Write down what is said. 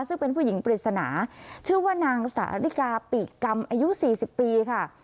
ซึ่งเป็นผู้หญิงปริศนาชื่อว่านางสาริกาปีกกรรมอายุ๔๐ปีค่ะ